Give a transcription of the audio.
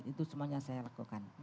itu semuanya saya lakukan